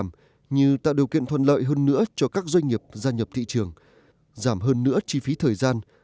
làm như tạo điều kiện thuận lợi hơn nữa cho các doanh nghiệp gia nhập thị trường giảm hơn nữa chi phí thời gian